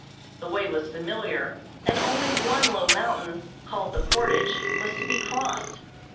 The way was familiar, and only one low mountain, called the Portage, was to be crossed.